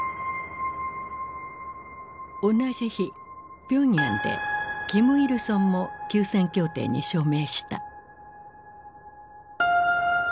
同じ日平壌で金日成も休戦協定に署名した。